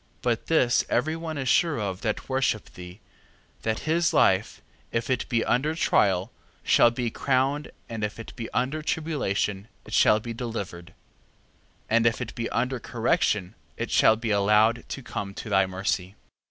3:21. But this every one is sure of that worshippeth thee, that his life, if it be under trial, shall be crowned and if it be under tribulation, it shall be delivered: and if it be under correction, it shall be allowed to come to thy mercy.